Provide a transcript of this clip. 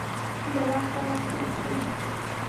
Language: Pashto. بلاخره کوزه شوه.